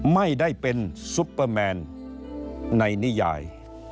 ไม่ได้เป็นซุปเปอร์แมนในนิยาย